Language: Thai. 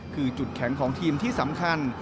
คือจุดแข็งของทีมที่สำคัญ